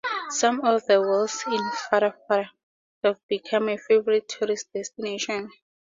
Some of the wells in Farafra have become a favorite tourist destination.